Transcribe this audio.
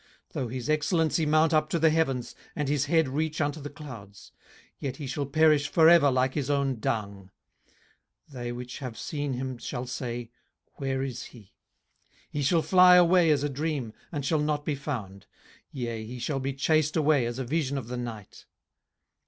18:020:006 Though his excellency mount up to the heavens, and his head reach unto the clouds; 18:020:007 Yet he shall perish for ever like his own dung: they which have seen him shall say, Where is he? 18:020:008 He shall fly away as a dream, and shall not be found: yea, he shall be chased away as a vision of the night.